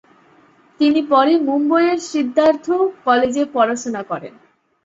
তিনি পরে মুম্বইয়ের সিদ্ধার্থ কলেজে পড়াশোনা করেন।